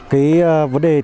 cái vấn đề